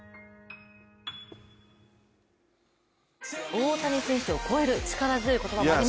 大谷選手を超える、力強い言葉もありましたが。